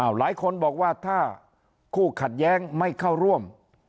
หลายคนบอกว่าถ้าคู่ขัดแย้งไม่เข้าร่วม